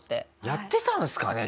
やってたんですかね？